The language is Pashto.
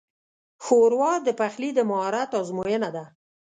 ښوروا د پخلي د مهارت ازموینه ده.